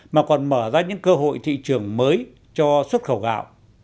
mà còn mở ra những cơ hội thị trường mới cho xuất khẩu gạo